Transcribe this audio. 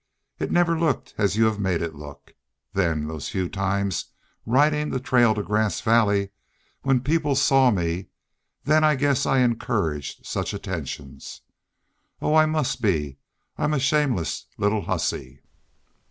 It never looked as y'u have made it look.... Then those few times ridin' the trail to Grass Valley when people saw me then I guess I encouraged such attentions.... Oh, I must be I am a shameless little hussy!"